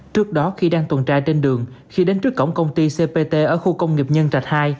trước đó khi đang tuần tra trên đường khi đến trước cổng công ty cpt ở khu công nghiệp nhân trạch hai